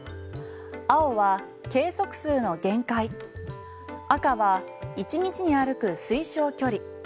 青は、計測数の限界赤は、１日に歩く推奨距離